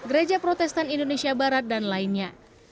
gereja protestan indonesia barat dan lainnya